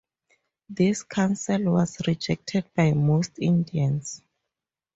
This council was rejected by most Indians.